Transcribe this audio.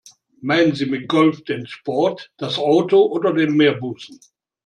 Meinen Sie mit Golf den Sport, das Auto oder den Meerbusen?